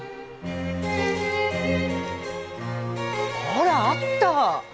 ほらあった！